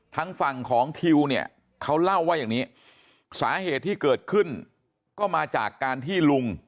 ทางฝั่งของทิวเนี่ยเขาเล่าว่าอย่างนี้สาเหตุที่เกิดขึ้นก็มาจากการที่ลุง